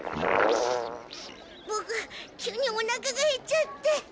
ボク急におなかがへっちゃって。